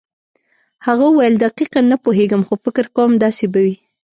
هغه وویل دقیقاً نه پوهېږم خو فکر کوم داسې به وي.